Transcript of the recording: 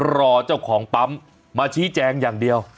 รอเจ้าของปั๊มมาชี้แจงอย่างเดียว